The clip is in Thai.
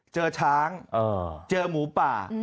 เจอช้างเจอหมูป่า